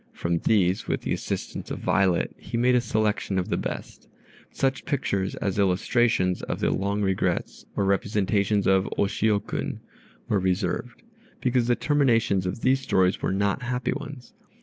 From these, with the assistance of Violet, he made a selection of the best. But such pictures as illustrations of the "Long Regrets," or representations of "O shio kun," were reserved, because the terminations of these stories were not happy ones.